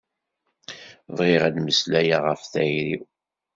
Bɣiɣ ad d-meslayeɣ ɣef tayri-w.